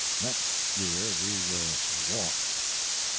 Next year we will walk.